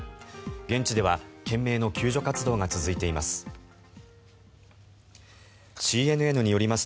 現地では懸命の救助活動が続いています。